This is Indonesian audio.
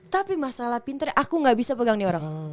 tapi masalah pinter aku gak bisa pegang nih orang